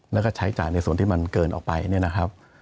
แล้วก็ใช้จ่ายในส่วนที่มันเกินออกไปเนี่ยนะครับ